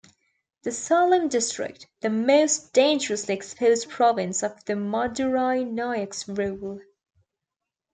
The Salem district, the most dangerously exposed province of the Madurai Nayaks rule.